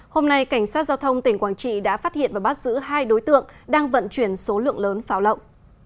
hôm nay cảnh sát giao thông tỉnh quảng trị đã phát hiện và bắt giữ hai đối tượng đang vận chuyển số lượng lớn pháo lộng